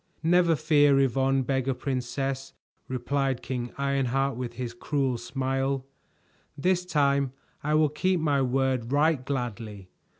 "Never fear, Yvonne, Beggar Princess," replied King Ironheart with his cruel smile. "This time I will keep my word right gladly.